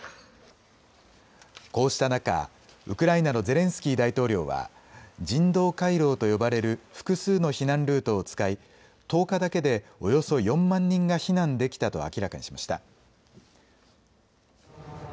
こうした中、ウクライナのゼレンスキー大統領は人道回廊と呼ばれる複数の避難ルートを使い１０日だけでおよそ４万人が避難できたと明らかにしました。